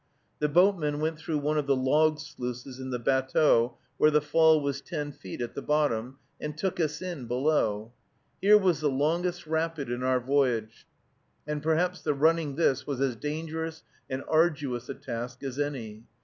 The boatmen went through one of the log sluices in the batteau, where the fall was ten feet at the bottom, and took us in below. Here was the longest rapid in our voyage, and perhaps the running this was as dangerous and arduous a task as any.